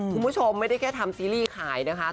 คุณผู้ชมไม่ได้แค่ทำซีรีส์ขายนะคะ